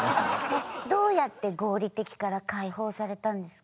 えっどうやって合理的から解放されたんですか？